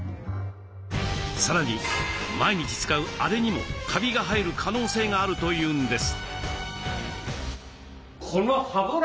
さらに毎日使うアレにもカビが生える可能性があるというんです。